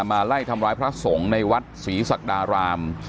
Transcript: มาไล่ทำร้ายพระสงฆ์ในวัดศรีศักดาราม